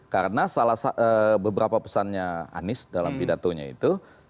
karena beberapa pesannya anis dalam pidatonya itu